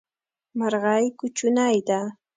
مرغی کوچنی ده